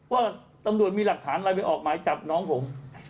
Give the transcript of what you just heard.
ว่าตำรวจมีหลักฐานอะไรไปออกหมายจับน้องผม